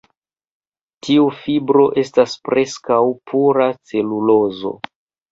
Tiu fibro estas preskaŭ pura celulozo.